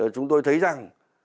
chúng tôi thấy rằng